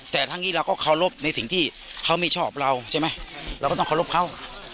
แต่ทั้งนี้เราก็เคารพในสิ่งที่เขาไม่ชอบเราใช่ไหมเราก็ต้องเคารพเขา